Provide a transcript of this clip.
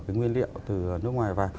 cái nguyên liệu từ nước ngoài và